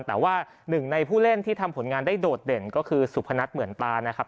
แต่ว่าหนึ่งในผู้เล่นที่ทำผลงานได้โดดเด่นก็คือสุพนัทเหมือนตานะครับ